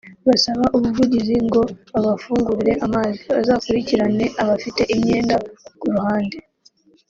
basaba ubuvugizi ngo babafungurire amazi bazakurikirane abafite imyenda ku ruhande